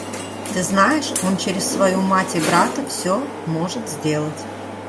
Ты знаешь, он через свою мать и брата всё может сделать.